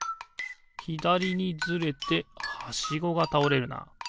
ひだりにずれてはしごがたおれるな。